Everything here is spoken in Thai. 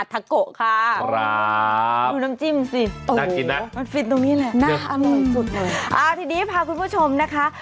ดูน้ำจิ้มสิโอ้โหมันฟิตตรงนี้แหละน่าอร่อยสุดเลยอ่าทีนี้พาคุณผู้ชมนะคะ